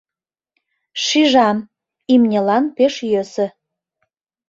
Шижам, имньылан пеш йӧсӧ.